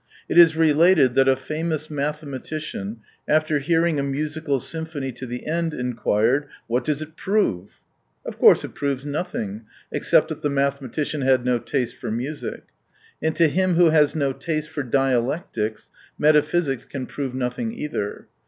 It is related that a famous mathematician, after hearing a musical symphony to the end, inquired, " What does it prove ?" Of course, it proves nothing, except that the mathema tician had no taste for music. And to him who has no taste for dialectics, metaphysics can prove nothing, either.